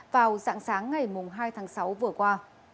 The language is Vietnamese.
vào dạng sáng ngày hai tháng sáu vừa qua